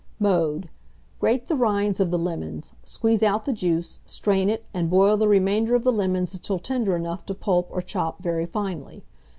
Mode. Grate the rinds of the lemons; squeeze out the juice, strain it, and boil the remainder of the lemons until tender enough to pulp or chop very finely.